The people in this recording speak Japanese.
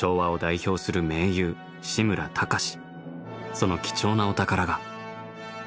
その貴重なお宝が。